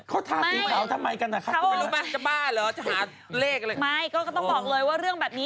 เอาถูกกันนันไป